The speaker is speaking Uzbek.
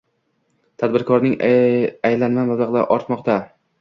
Tadbirkorning aylanma mablag‘lari ortmoqda